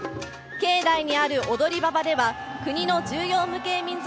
境内にある踊り場では、国の重要無形民俗